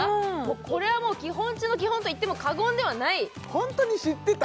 これはもう基本中の基本と言っても過言ではない本当に知ってた？